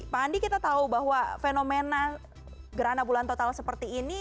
pak andi kita tahu bahwa fenomena gerhana bulan total seperti ini